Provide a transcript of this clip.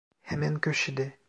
Hemen köşede.